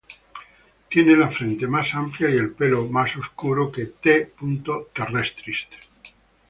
Tiene la frente más amplia y el pelo más oscuro que "T. terrestris".